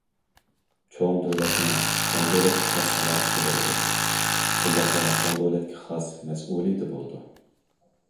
چوڭ دۆلەتنىڭ چوڭ دۆلەتكە خاس سالاپىتى بولىدۇ، شۇنداقلا چوڭ دۆلەتكە خاس مەسئۇلىيىتى بولىدۇ.